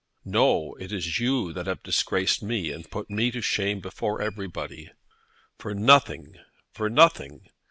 "No; it is you that have disgraced me and put me to shame before everybody, for nothing, for nothing.